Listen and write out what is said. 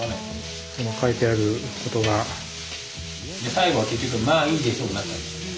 最後は結局「まあいいでしょう」になっちゃうんですよね。